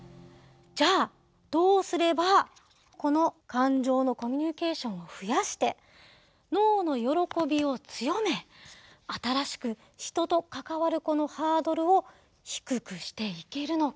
じゃあどうすればこの感情のコミュニケーションを増やして脳の喜びを強め新しく人と関わるこのハードルを低くしていけるのか。